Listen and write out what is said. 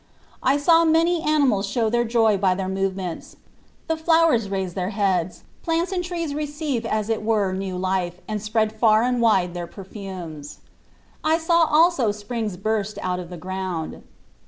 I saw many animals show their joy by their movements, the flowers raise their heads, plants and trees receive as it were new life and spread far and wide their perfumes. I saw also springs burst out of the ground.